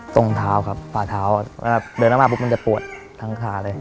ตรงเท้าครับฝ่าเท้าเวลาเดินมากมันจะปวดทั้งขาเลย